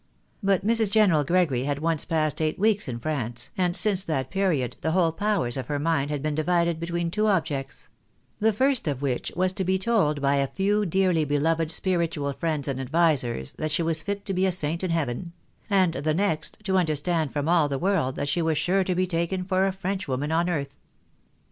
But Mrs. General Gregory had once passed eight weeks in France, and since that period the whole powers of her mind had been divided between two objects ; the first of which was to be told by a few dearly beloved spiritual friends and advisers that she was fit to be a saint in heaven ; and the next, to understand from all the world that she was sure to be taken for a French woman on earth.